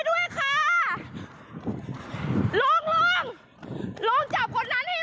ลูกหนูเป็นผู้หญิงคนเดียวเนี่ย